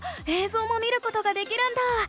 えいぞうも見ることができるんだ。